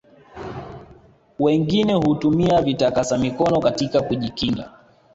wengine hutumia vitakasa mikono katika kujikinga